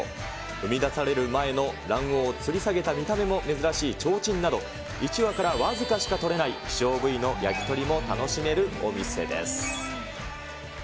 産み出される前の卵黄をつり下げた見た目も珍しいちょうちんなど、一羽から僅かしか取れない希少部位の焼き鳥も楽しめるお店です。